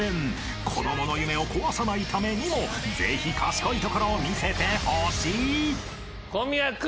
［子供の夢を壊さないためにもぜひ賢いところを見せてほしい］